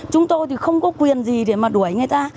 chúng tôi thì không có quyền gì để mà đuổi người ta